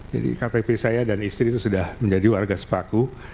jadi ktp saya dan istri itu sudah menjadi warga sepaku